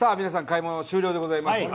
買い物終了でございます